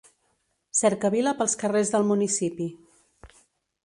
Cercavila pels carrers del municipi.